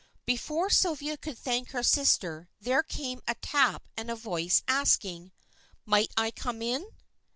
Before Sylvia could thank her sister there came a tap and a voice asking "Might I come in?"